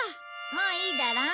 もういいだろう？